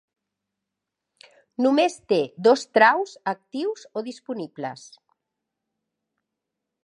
Només té dos traus actius o disponibles.